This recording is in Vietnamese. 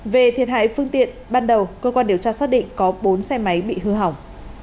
về thiệt hại phương tiện ban đầu cơ quan điều tra xác định có bốn xe máy bị hư hỏng